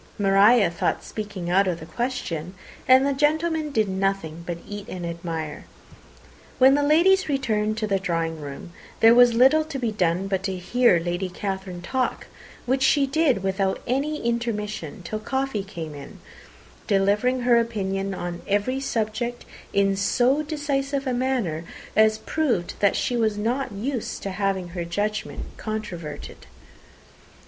Maria thought speaking out of the question, and the gentlemen did nothing but eat and admire. When the ladies returned to the drawing room, there was little to be done but to hear Lady Catherine talk, which she did without any intermission till coffee came in, delivering her opinion on every subject in so decisive a manner as proved that she was not used to have her judgment controverted.